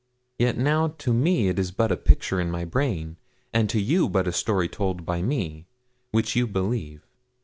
Yet now to me it is but a picture in my brain, and to you but a story told by me, which you believe.